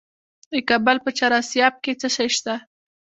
د کابل په چهار اسیاب کې څه شی شته؟